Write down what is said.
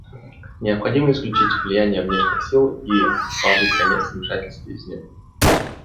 Необходимо исключить влияние внешних сил и положить конец вмешательству извне.